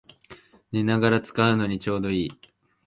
寝ながら使うのにちょうどいい